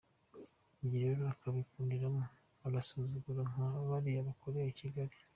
Ibyo rero akabihinduramo agasuzuguro nka kariya yakoreye kigeli.